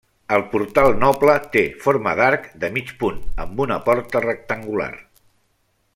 El portal noble té forma d'arc de mig punt, amb una porta rectangular.